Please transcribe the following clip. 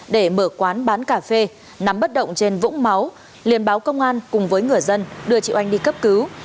để mở quán bán cà phê nắm bất động trên vũng máu liên báo công an cùng với người dân đưa chị oanh đi cấp cứu